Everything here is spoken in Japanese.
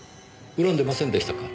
恨んでませんでしたか？